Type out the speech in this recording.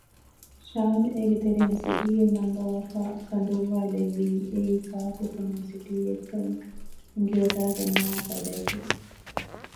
ޝާން އޭގެތެރޭން ސިޓީއެއް ނަންގަވާފައި ކަނޑުއްވާލެއްވީ އެއީ ކާކު ފޮނުވި ސިޓީއެއްކަން އެނގިވަޑައިގަންނަވާ ފަދައަކުން